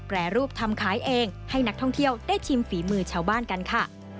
แปรรูปทำขายเองให้นักท่องเที่ยวได้ชิมฝีมือชาวบ้านกันค่ะ